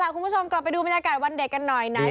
คุณผู้ชมกลับไปดูบรรยากาศวันเด็กกันหน่อยไหน